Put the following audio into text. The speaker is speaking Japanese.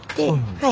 はい。